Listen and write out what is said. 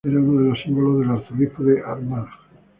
Era uno de los símbolos del Arzobispado de Armagh.